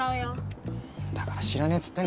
だから知らねえっつってんだろ。